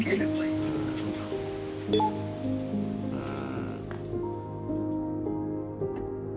うん。